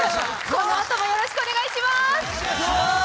このあともよろしくお願いします。